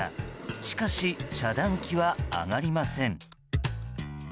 しかし、遮断機は上がりません。